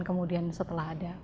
kemudian setelah ada